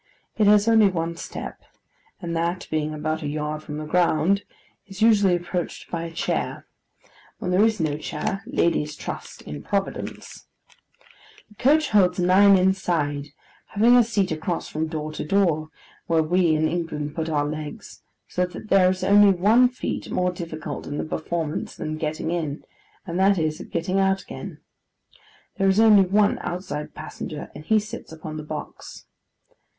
It has only one step, and that being about a yard from the ground, is usually approached by a chair: when there is no chair, ladies trust in Providence. The coach holds nine inside, having a seat across from door to door, where we in England put our legs: so that there is only one feat more difficult in the performance than getting in, and that is, getting out again. There is only one outside passenger, and he sits upon the box.